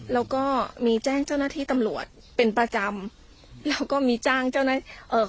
แล้วก็มีแจ้งเจ้าหน้าที่ตำรวจเป็นประจำแล้วก็มีจ้างเจ้าหน้าที่เอ่อ